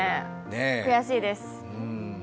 悔しいです。